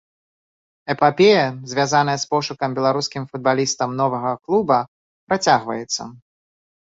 Эпапея, звязаная з пошукам беларускім футбалістам новага клуба, працягваецца.